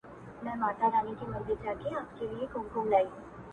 نور مينه نه کومه دا ښامار اغزن را باسم.